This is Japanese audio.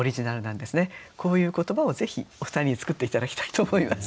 こういう言葉をぜひお二人に作って頂きたいと思います。